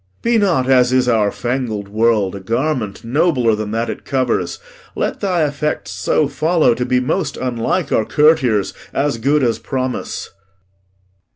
Be not, as is our fangled world, a garment Nobler than that it covers. Let thy effects So follow to be most unlike our courtiers, As good as promise.